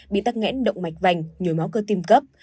bị tắc nghẽn động mạch vành nhồi máu cơ tim cấp